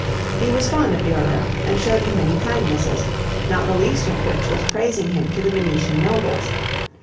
He was fond of Durer and showed him many kindnesses, not the least of which was praising him to the Venetian nobles.